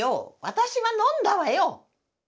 私は飲んだわよ！